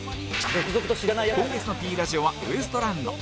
今月の Ｐ ラジオはウエストランド